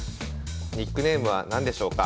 ニックネームは何でしょうか？